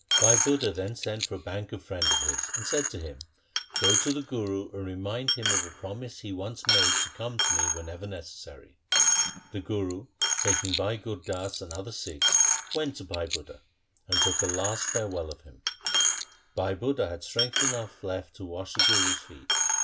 Bhai Budha then sent for a banker friend of his and said to him, ' Go to the Guru and remind him of a promise he once made to come to me whenever necessary.' The Guru taking Bhai Gur Das and other Sikhs went to Bhai Budha, and took a last farewell of him. Bhai Budha had strength enough left to wash the Guru's feet.